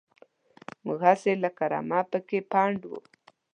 موږ هسې لکه رمه پکې پنډ وو.